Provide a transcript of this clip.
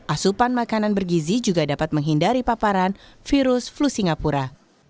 asupan makanan bergizi juga dapat menghindari paparan virus flu singapura